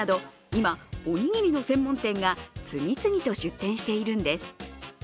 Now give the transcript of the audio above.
今、おにぎりの専門店が次々と出店しているんです。